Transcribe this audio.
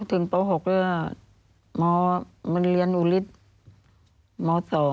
ถึงป๖แล้วมมันเรียนอุฤทธิ์ม๒